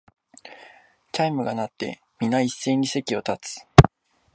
チャイムが鳴って、みな一斉に席を立つ